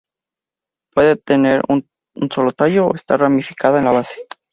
Puede tener un solo tallo o estar ramificada en la base.